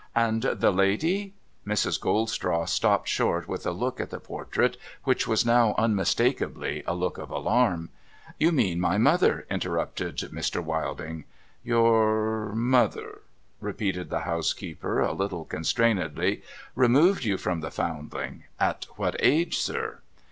' And the lady ?' Mrs. Goldstraw stopped short with a look at the portrait which was now unmistakably a look of alarm. ' You mean my mother,' interrupted Mr. Wilding. ' Your — mother,' repeated the housekeeper, a little constrainedly, * removed you from the Foundling ? At what age, sir